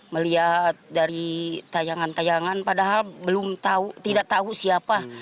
melihat dari tayangan tayangan padahal belum tahu tidak tahu siapa